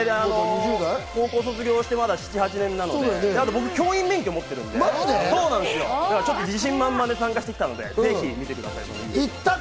高校を卒業して７８年なので、あと僕、教員免許持ってるんで自信満々で参加してきたのでぜ行ったか？